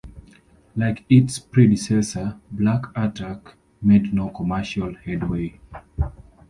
Like its predecessor, "Black Attack" made no commercial headway.